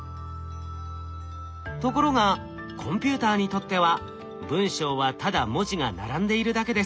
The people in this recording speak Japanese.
ところがコンピューターにとっては文章はただ文字が並んでいるだけです。